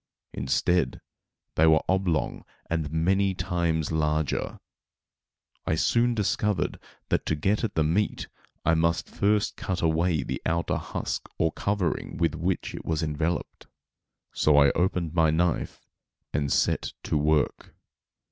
Instead, they were oblong and many times larger. I soon discovered that to get at the meat I must first cut away the outer husk or covering with which it was enveloped; so I opened my knife and set to work.